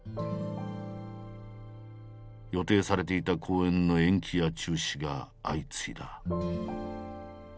予定されていた公演の延期や中止が相次いだ。